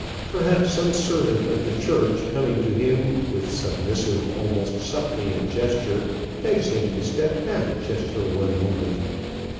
Perhaps some servant of the church, coming to him with submissive, almost suppliant gesture, begs him to step back just for one moment.